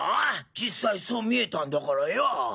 実際そう見えたんだからよ。